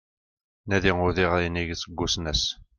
Nadi udiɣ inig seg usnas